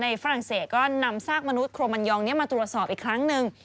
ฝรั่งเศสก็นำซากมนุษยโครมันยองนี้มาตรวจสอบอีกครั้งหนึ่ง